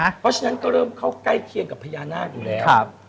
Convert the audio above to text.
เพราะฉะนั้นก็เริ่มเข้าใกล้เคียงกับพญานาคอยู่แล้ว